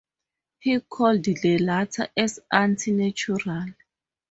He called the latter as anti-natural.